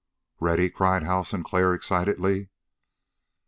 "Ready!" cried Hal Sinclair excitedly.